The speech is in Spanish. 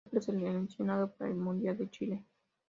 Fue preseleccionado para el Mundial de Chile.